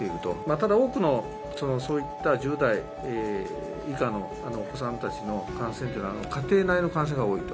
ただ、多くのそういった１０代以下のお子さんたちの感染というのは、家庭内での感染が多いと。